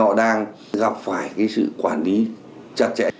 họ đang gặp phải cái sự quản lý chặt chẽ